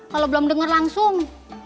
kalau belum dengar langsung